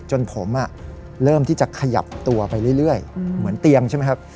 จนผมเริ่มที่จะขยับตัวไปเรื่อยเหมือนเตียงใช่ไหมครับ